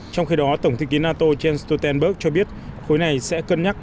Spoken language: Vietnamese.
trong khi đó tổng thư ký nato jens stoltenberg cho biết khối này sẽ cân nhắc